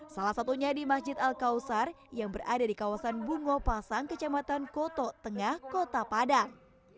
salah satunya di masjid al kausar yang berada di kawasan bungo pasang kecamatan koto tengah kota padang